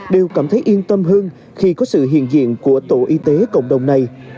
đều cảm thấy yên tâm hơn khi có sự hiện diện của tổ y tế cộng đồng này